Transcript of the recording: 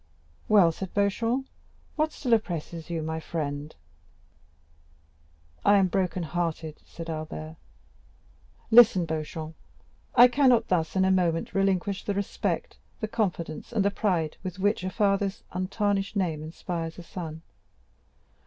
"Well," said Beauchamp, "what still oppresses you, my friend?" 40178m "I am broken hearted," said Albert. "Listen, Beauchamp! I cannot thus, in a moment relinquish the respect, the confidence, and pride with which a father's untarnished name inspires a son.